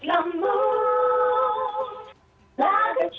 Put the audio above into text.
teman anak nyanyi sekali lagi